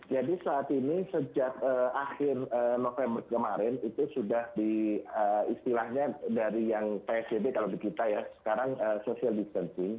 jadi saat ini sejak akhir november kemarin itu sudah di istilahnya dari yang psyb kalau di kita ya sekarang social distancing